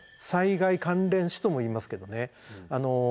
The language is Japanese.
「災害関連死」とも言いますけどね。